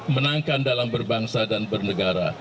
menangkan dalam berbangsa dan bernegara